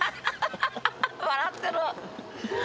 笑ってる。